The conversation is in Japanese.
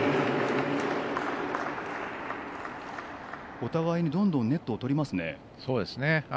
お互いにどんどんネットをとりますね。